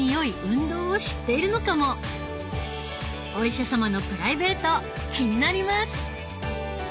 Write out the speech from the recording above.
お医者様のプライベート気になります。